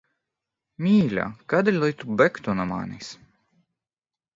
Mīļā, kādēļ lai tu bēgtu no manis?